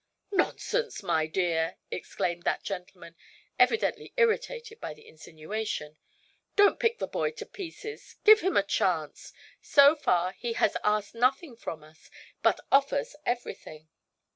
"Nonsense, my dear!" exclaimed that gentleman, evidently irritated by the insinuation. "Don't pick the boy to pieces. Give him a chance. So far he has asked nothing from us, but offers everything.